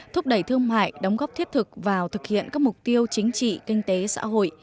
thúc đẩy thương mại đóng góp thiết thực vào thực hiện các mục tiêu chính trị kinh tế xã hội